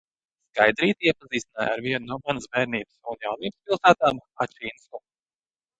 Skaidrīti iepazīstināju ar vienu no manas bērnības un jaunības pilsētām – Ačinsku.